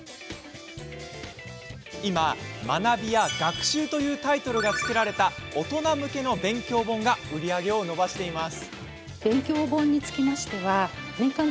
今、学びや学習というタイトルが付けられた大人向けの勉強本が売り上げを伸ばしています。